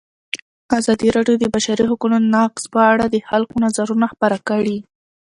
ازادي راډیو د د بشري حقونو نقض په اړه د خلکو نظرونه خپاره کړي.